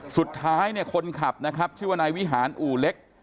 สุดท้ายเนี่ยคนขับนะครับชื่อว่านายวิหารอู่เล็ก